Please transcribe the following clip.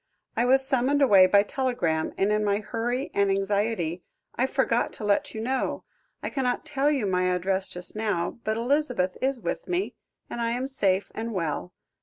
"I was summoned away by telegram, and in my hurry and anxiety, I forgot to let you know. I cannot tell you my address just now, but Elizabeth is with me, and I am safe and well.